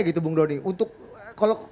gitu bung doni untuk kalau